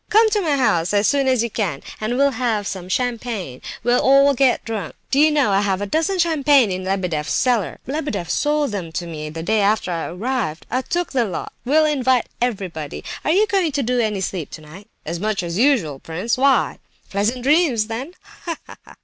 Come to my house as soon as you can, and we'll have some champagne. We'll all get drunk! Do you know I have a dozen of champagne in Lebedeff's cellar? Lebedeff sold them to me the day after I arrived. I took the lot. We'll invite everybody! Are you going to do any sleeping tonight?" "As much as usual, prince—why?" "Pleasant dreams then—ha, ha!"